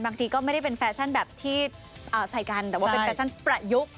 บางทีก็ไม่ได้เป็นแฟชั่นแบบที่ใส่กันแต่ว่าเป็นแฟชั่นประยุกต์